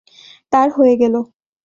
তার হয়ে গেলো।